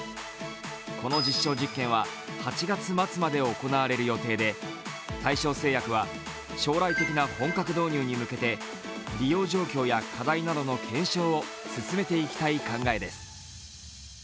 この実証実験は８月末まで行われる予定で大正製薬は将来的な本格導入に向けて利用状況や課題などの検証を進めていきたい考えです。